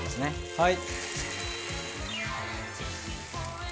はい。